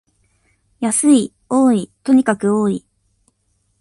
安い、多い、とにかく多い